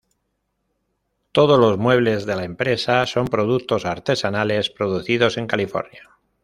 Todos los muebles de la empresa son productos artesanales producidos en California.